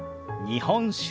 「日本酒」。